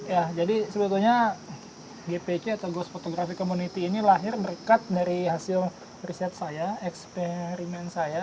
ya jadi sebetulnya gpc atau ghost photography community ini lahir berkat dari hasil riset saya eksperimen saya